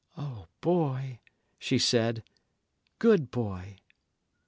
"O boy," she said "good boy!"